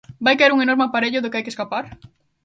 Vai caer un enorme aparello do que hai que escapar?